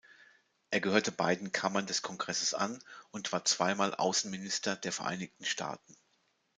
Er gehörte beiden Kammern des Kongresses an und war zweimal Außenminister der Vereinigten Staaten.